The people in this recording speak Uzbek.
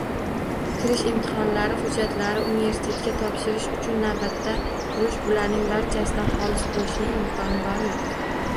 Kirish imtihonlari, hujjatlarni universitetga topshirish uchun navbatda turish – bularning barchasidan xalos boʻlishning imkoni bormi?